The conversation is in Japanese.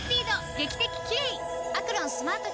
劇的キレイ！